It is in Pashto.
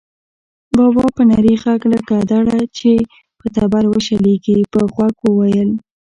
بابا په نري غږ لکه دړه چې په تبر وشلېږي، په غوږ وواهه.